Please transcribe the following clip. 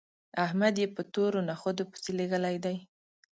احمد يې په تورو نخودو پسې لېږلی دی